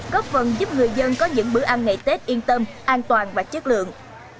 góp phần giúp người dân có những bữa ăn ngày tết yên tâm an toàn và chất lượng